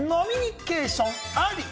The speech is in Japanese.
飲みニケーションあり？